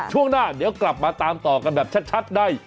ช่วงหน้าเดี๋ยวกลับมาตามต่อกันแบบชัดได้